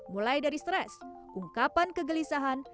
mulai dari stres ungkapan kegelisahan